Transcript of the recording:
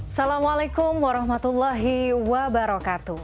assalamualaikum warahmatullahi wabarakatuh